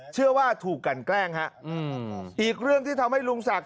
เชื่อว่าถูกกันแกล้งฮะอืมอีกเรื่องที่ทำให้ลุงศักดิ